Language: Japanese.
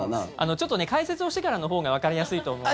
ちょっと解説をしてからのほうがわかりやすいと思うので。